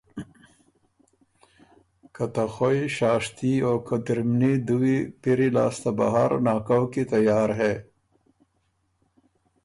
که ته خوئ شاشتي او قدِرمني دُوي پِری لاسته بهر ناکؤ کی تیار هې